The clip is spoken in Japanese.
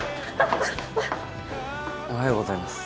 おはようございます。